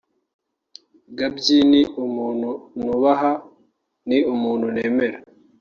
Gaby ni umuntu nubaha ni umuntu nemera